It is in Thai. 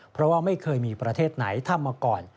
เพราะว่าไม่เคยมีประเทศไหนทำมาก่อน